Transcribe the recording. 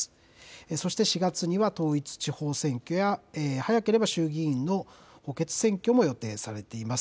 そして４月には統一地方選挙や、早ければ衆議院の補欠選挙も予定されています。